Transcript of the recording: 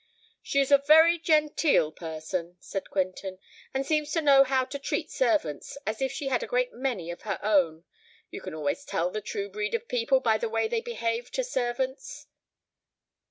"She's a very genteel person," said Quentin; "and seems to know how to treat servants, as if she had a great many of her own. You can always tell the true breed of people by the way they behave to servants."